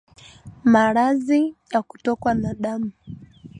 Maradhi ya kutokwa na damu